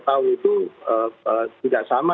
tahun itu tidak sama